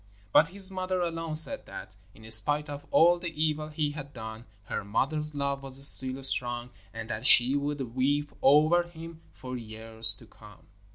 But his mother alone said that, in spite of all the evil he had done, her mother's love was still strong and that she would weep over him for years to come.